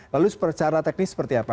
lalu secara teknis seperti apa